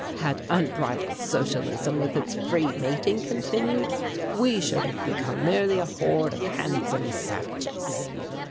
Had unbridled socialism with its free mating continued, we should have become merely a horde of handsome savages.